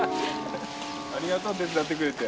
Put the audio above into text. ありがとう手伝ってくれて。